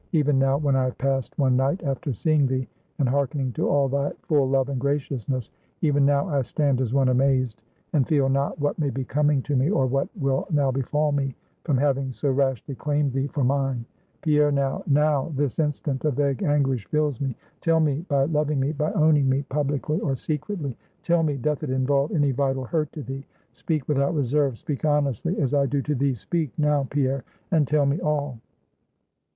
Even now, when I have passed one night after seeing thee, and hearkening to all thy full love and graciousness; even now, I stand as one amazed, and feel not what may be coming to me, or what will now befall me, from having so rashly claimed thee for mine. Pierre, now, now, this instant a vague anguish fills me. Tell me, by loving me, by owning me, publicly or secretly, tell me, doth it involve any vital hurt to thee? Speak without reserve; speak honestly; as I do to thee! Speak now, Pierre, and tell me all!"